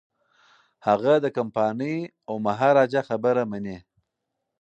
هغه د کمپانۍ او مهاراجا خبره مني.